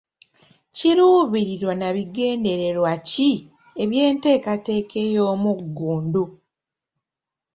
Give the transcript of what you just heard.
Kiruubirirwa na bigendererwa ki eby'enteekateeka ey'omuggundu?